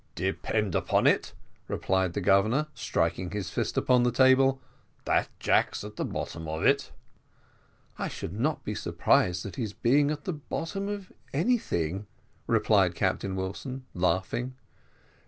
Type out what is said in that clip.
"Depend upon it," replied the Governor, striking his fist upon the table, "that Jack's at the bottom of it." "I should not be surprised at his being at the bottom of anything," replied Captain Wilson, laughing.